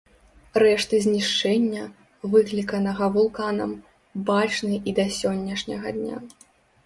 Рэшты знішчэння, выкліканага вулканам, бачны і да сённяшняга дня.